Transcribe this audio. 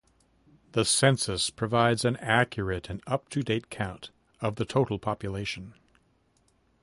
The census provides an accurate and up-to-date count of the total population.